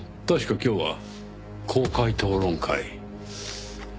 確か今日は公開討論会。